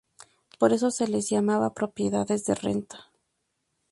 Por eso se las llamaba "propiedades de renta".